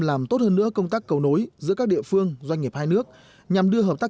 làm tốt hơn nữa công tác cầu nối giữa các địa phương doanh nghiệp hai nước nhằm đưa hợp tác